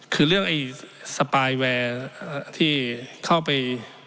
คือเรื่องไอ้สปายแวร์ที่เข้าไป